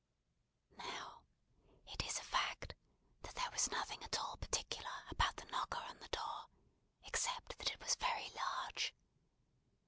Now, it is a fact, that there was nothing at all particular about the knocker on the door, except that it was very large.